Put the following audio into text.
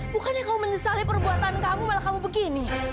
bukannya kamu menyesali perbuatan kamu malah kamu begini